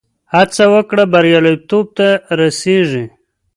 هڅه وکړه، بریالیتوب ته رسېږې.